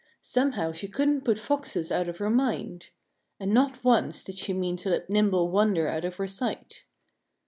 Somehow she couldn't put Foxes out of her mind. And not once did she mean to let Nimble wander out of her sight.